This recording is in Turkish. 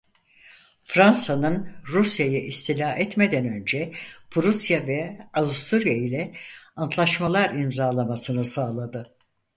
Fransa'nın Rusya'yı istila etmeden önce Prusya ve Avusturya ile antlaşmalar imzalamasını sağladı.